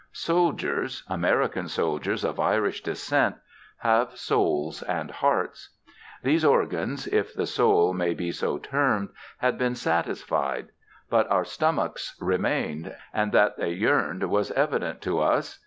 Soldiers American soldiers of Irish descent have souls and hearts. These organs (if the soul may be so termed) had been satisfied. But our stomachs remained and that they yearned was evident to us.